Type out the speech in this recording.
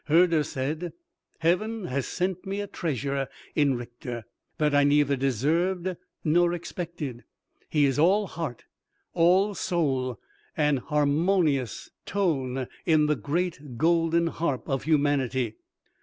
Herder said: "Heaven has sent me a treasure in Richter. That I neither deserved nor expected. He is all heart, all soul; an harmonious tone in the great golden harp of humanity."